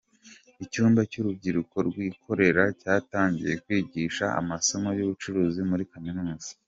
Icyumba cy’Urubyiruko Rwikorera cyatangiye kwigisha amasomo y’ubucuruzi muri Kaminuza